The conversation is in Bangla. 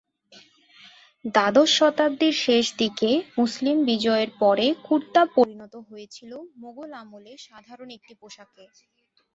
দ্বাদশ শতাব্দীর শেষদিকে মুসলিম বিজয়ের পরে কুর্তা পরিণত হয়েছিল মোগল আমলে সাধারণ একটি পোশাকে।